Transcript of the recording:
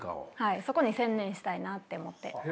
そこに専念したいなって思って。